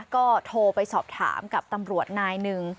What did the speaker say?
ก็โทรไปสอบถามกับตำรวจนายหนึ่ง